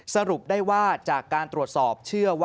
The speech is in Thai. สรุปได้ว่าจากการตรวจสอบ